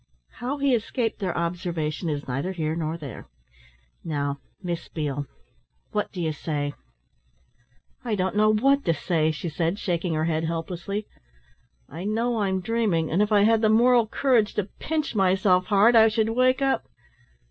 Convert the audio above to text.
How he escaped their observation is neither here nor there. Now, Miss Beale, what do you say?" "I don't know what to say," she said, shaking her head helplessly. "I know I'm dreaming, and if I had the moral courage to pinch myself hard, I should wake up.